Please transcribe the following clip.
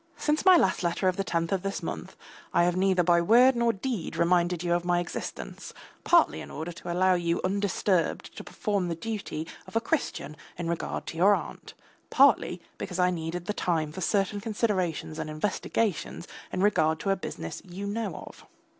Since my last letter of the tenth of this month, I have neither by word nor deed reminded you of my existence, partly in order to allow you undisturbed to perform the duty of a Christian in regard to your aunt, partly because I needed the time for certain considerations and investigations in regard to a business you know of.